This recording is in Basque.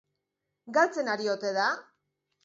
Galtzen ari ote da?